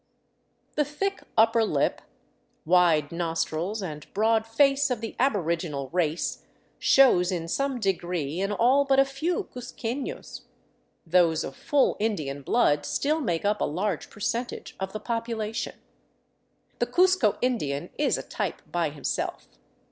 The thick upper lip, wide nostrils, and broad face of the aboriginal race shows in some degree in all but a few cuzquefios ; those of full Indian blood still make up a large percentage of the population. The Cuzco Indian is a type by himself.